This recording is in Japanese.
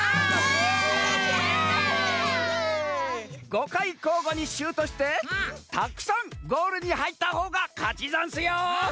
５かいこうごにシュートしてたくさんゴールにはいったほうがかちざんすよ！